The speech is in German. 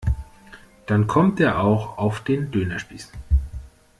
Dann kommt er auch auf den Dönerspieß.